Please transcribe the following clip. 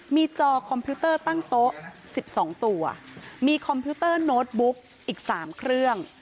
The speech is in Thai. มีจอคอมพิวเตอร์ตั้งโต๊ะ๑๒ตัวมีคอมพิวเตอร์โน้ตบุ๊กอีก๓เครื่อง